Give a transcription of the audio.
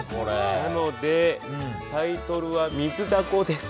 なのでタイトルは「水ダコ」です。